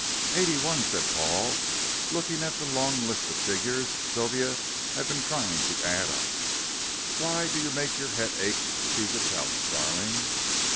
"Eighty one," said Paul, looking at the long list of figures Sylvia had been trying to add up. "Why do you make your head ache with these accounts, darling?"